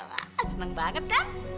wah seneng banget kan